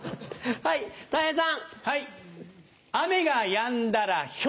はいたい平さん。